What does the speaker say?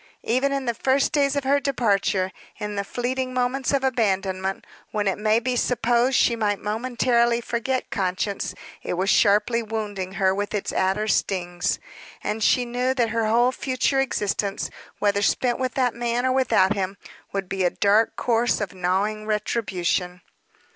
Even in the first days of her departure, in the fleeting moments of abandonment, when it may be supposed she might momentarily forget conscience, it was sharply wounding her with its adder stings; and she knew that her whole future existence, whether spent with that man or without him, would be a dark course of gnawing retribution.